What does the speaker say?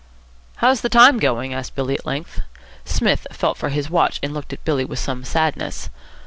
"How's the time going?" asked Billy at length. Psmith felt for his watch, and looked at Billy with some sadness.